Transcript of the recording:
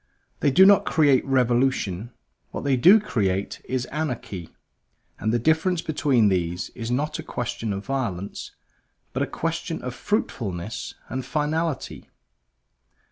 They do not create revolution; what they do create is anarchy; and the difference between these is not a question of violence, but a question of fruitfulness and finality.